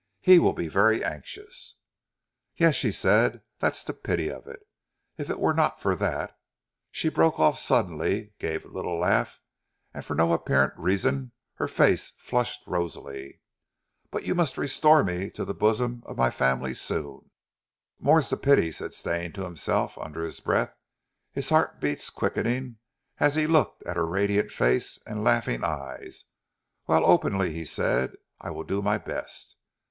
He will be very anxious." "Yes!" she said, "that's the pity of it. If it were not for that " She broke off suddenly, gave a little laugh, and for no apparent reason her face flushed rosily. "But you must restore me to the bosom of my family soon!" "More's the pity!" said Stane to himself under his breath; his heart beats quickening as he looked at her radiant face and laughing eyes; whilst openly he said: "I will do my best.